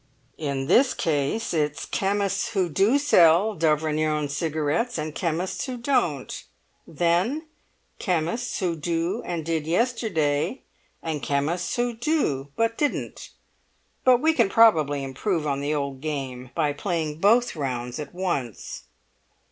"In this case it's Chemists Who Do Sell D'Auvergne Cigarettes and Chemists Who Don't. Then—Chemists Who Do and Did Yesterday, and Chemists Who Do but Didn't! But we can probably improve on the old game by playing both rounds at once."